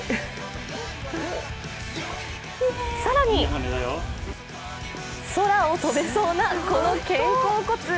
更に空を飛べそうなこの肩甲骨。